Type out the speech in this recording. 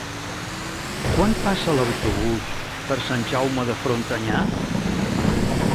Quan passa l'autobús per Sant Jaume de Frontanyà?